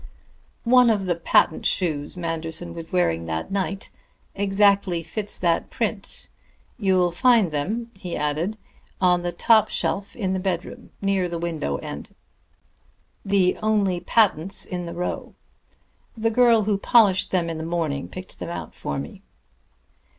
"One of the patent shoes Manderson was wearing that night exactly fits that print you'll find them," he added, "on the top shelf in the bedroom, near the window end, the only patents in the row. The girl who polished them in the morning picked them out for me."